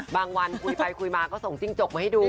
วันคุยไปคุยมาก็ส่งจิ้งจกมาให้ดู